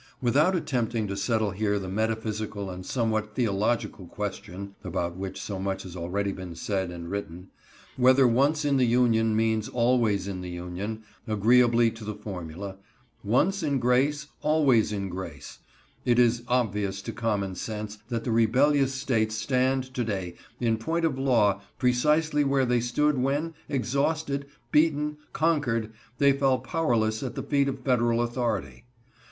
Without attempting to settle here the metaphysical and somewhat theological question (about which so much has already been said and written), whether once in the Union means always in the Union,—agreeably to the formula, Once in grace always in grace,—it is obvious to common sense that the rebellious States stand to day, in point of law, precisely where they stood when, exhausted, beaten, conquered, they fell powerless at the feet of Federal authority.